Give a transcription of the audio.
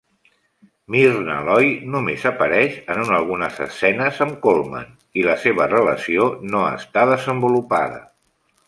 Myrnna Loy només apareix en algunes escenes amb Colman, i la seva relació no està desenvolupada.